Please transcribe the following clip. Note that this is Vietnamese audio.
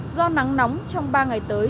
do nắng nóng trong ba ngày tới